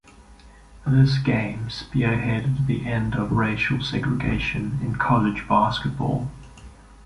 This game spearheaded the end of racial segregation in college basketball.